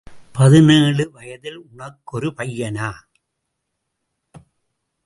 பதினேழு வயதில் உனக்கு ஒரு பையனா?